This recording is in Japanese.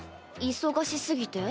忙しすぎて？